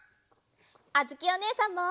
あづきおねえさんも！